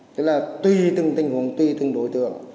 thế là tùy từng tình huống tùy từng đối tượng